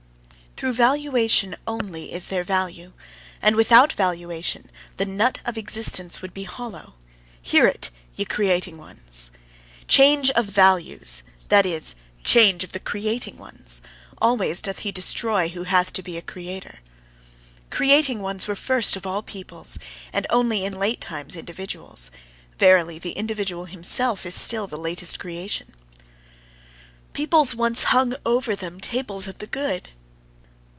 Through valuation only is there value; and without valuation the nut of existence would be hollow. Hear it, ye creating ones! Change of values that is, change of the creating ones. Always doth he destroy who hath to be a creator. Creating ones were first of all peoples, and only in late times individuals; verily, the individual himself is still the latest creation. Peoples once hung over them tables of the good.